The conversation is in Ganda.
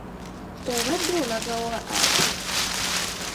Obadde olaga wa ate?